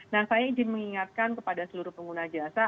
nah saya ingin mengingatkan kepada seluruh pengguna jasa